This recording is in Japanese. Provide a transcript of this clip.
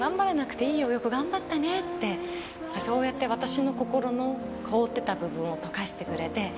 そうやって私の心の凍ってた部分を溶かしてくれて。